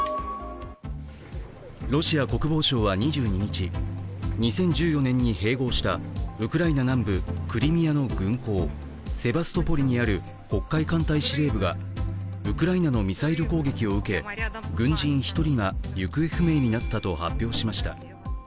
ロシア国防省は２２日、２０１４年に併合したウクライナ南部クリミアの軍港セバストポリにある黒海艦隊司令部がウクライナのミサイル攻撃を受け軍人１人が行方不明になったと発表しました。